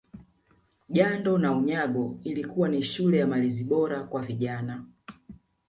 Jando na Unyago ilikuwa ni shule ya malezi bora kwa vijana